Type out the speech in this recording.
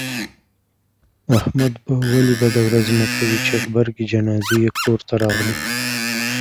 احمد به ولې بده ورځ نه کوي، چې غبرگې جنازې یې کورته راغلې.